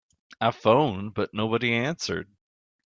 I phoned but nobody answered.